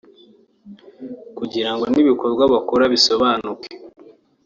kugira ngo n’ibikorwa bakora bisobanuke